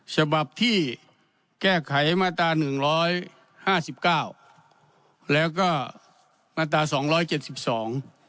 ฉบับที่แก้ไขมาตราหนึ่งร้อยห้าสิบเก้าแล้วก็มาตราสองร้อยเจ็ดสิบสอง